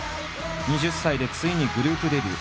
２０歳でついにグループデビュー。